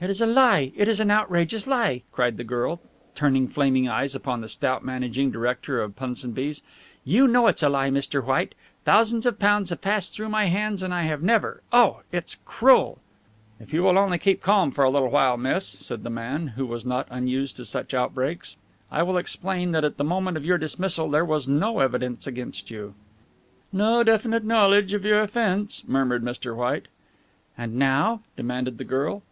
"It is a lie. It is an outrageous lie," cried the girl, turning flaming eyes upon the stout managing director of Punsonby's. "You know it's a lie, Mr. White! Thousands of pounds have passed through my hands and I have never oh, it's cruel." "If you will only keep calm for a little while, miss," said the man, who was not unused to such outbreaks, "I will explain that at the moment of your dismissal there was no evidence against you." "No definite knowledge of your offence," murmured Mr. White. "And now?" demanded the girl.